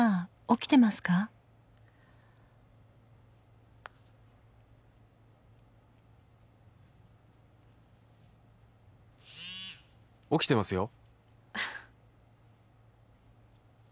「起きてますよ」